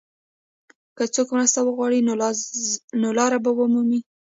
که څوک مرسته وغواړي، نو لار به ومومي.